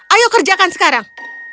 ayo kerjakan sekarang